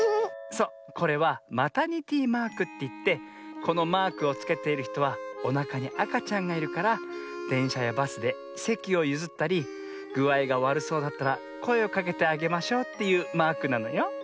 そうこれはマタニティマークっていってこのマークをつけているひとはおなかにあかちゃんがいるからでんしゃやバスでせきをゆずったりぐあいがわるそうだったらこえをかけてあげましょうというマークなのよ。